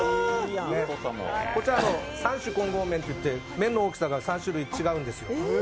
こちら、３種混合麺といいまして麺の大きさが３種類違うんですよ。